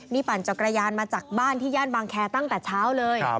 นี่ปั่นจักรยานมาจากบ้านที่ย่านบางแคร์ตั้งแต่เช้าเลย